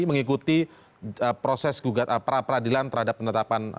mengikuti proses pra peradilan terhadap penetapan